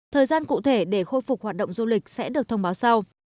thời gian cụ thể để khôi phục hoạt động du lịch sẽ được thông báo sau